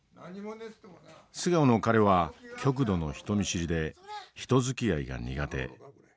素顔の彼は極度の人見知りで人づきあいが苦手。